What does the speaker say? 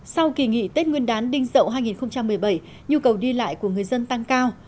sau kỳ nghỉ tết nguyên đán đinh dậu hai nghìn một mươi bảy nhu cầu đi lại của người dân tăng cao